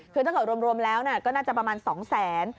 คือตั้งแต่รวมแล้วก็น่าจะประมาณ๒๐๐๐๐๐